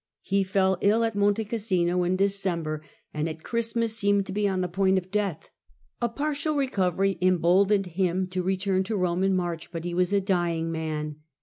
He fell 1058 ^ ill at Monte Cassino, in December, and at Christmas seemed to be on the point of death. A partial recovery emboldened him to return to Rome in March, but he was a dying man.